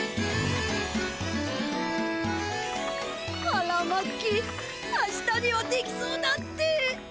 はらまき明日にはできそうだって。